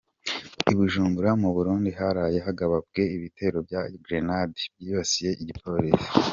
I Bujumbura mu Burundi haraye hagabwe ibitero bya grenade byibasiye igipolisi.